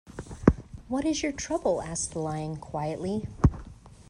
What is your trouble? asked the Lion, quietly.